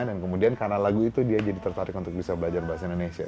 dan kemudian karena lagu itu dia jadi tertarik untuk bisa belajar bahasa indonesia